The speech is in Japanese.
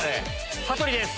羽鳥です。